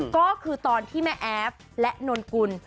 ก็คือตอนที่แม่แอฟและนนกุล